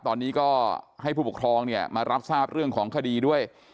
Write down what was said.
ตอนนี้ก็ให้ผู้ปกครองเนี่ยมารับทราบเรื่องของคดีด้วย